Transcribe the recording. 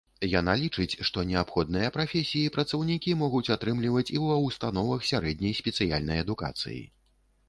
Яна лічыць, што неабходныя прафесіі працаўнікі могуць атрымліваць і ва ўстановах сярэдняй спецыяльнай адукацыі.